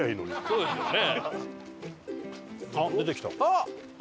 そうですよね。